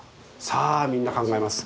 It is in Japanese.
さあみんな考えます。